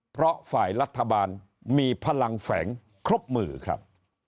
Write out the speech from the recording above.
เพราะฝ่ายรัฐบาลมีพลังแฝงครบมือครับ